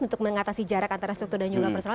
untuk mengatasi jarak antara struktur dan juga personal